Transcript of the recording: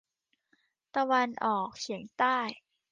ตะวันออกเฉียงใต้